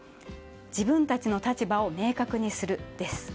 自分たちの立場を明確にする。